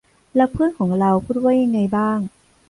แล้วเพื่อนของเราพูดว่ายังไงบ้าง